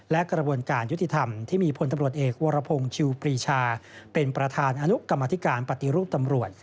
และกระบวนการยุติธรรมที่มีพลตำรวจเอกวรพงศ์ชิวปรีชาเป็นประธานอนุกรรมธิการปฏิรูปตำรวจ